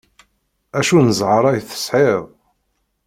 Acu n zher-a i tesɛiḍ!